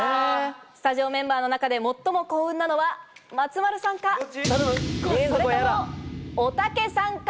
スタジオメンバーの中で最も幸運なのは松丸さんか、それとも、おたけさんか。